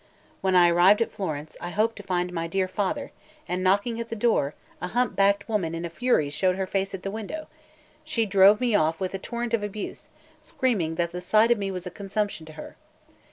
When I arrived at Florence, I hoped to find my dear father, and knocking at the door, a hump backed woman in a fury showed her face at the window; she drove me off with a torrent of abuse, screaming that the sight of me was a consumption to her.